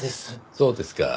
そうですか。